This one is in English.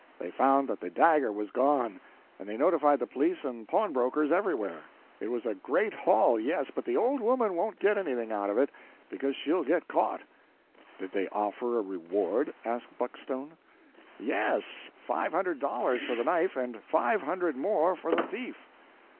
They found that the dagger was gone, and they notified the police and pawnbrokers everywhere. It was a great haul, yes, but the old woman won't get anything out of it, because she'll get caught." "Did they offer a reward?" asked Buckstone. "Yes; five hundred dollars for the knife, and five hundred more for the thief."